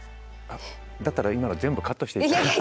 だったら今の全部カットして頂いて。